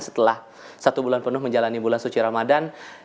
setelah satu bulan penuh menjalani bulan suci ramadan